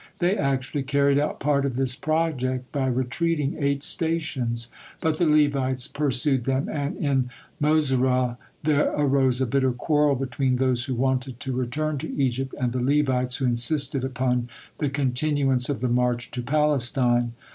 They actually carried out part of this project by retreating eight stations, but the Levites pursued them, and in Moserah there arose a bitter quarrel between those who wanted to return to Egypt and the Levites who insisted upon the continuance of the march to Palestine.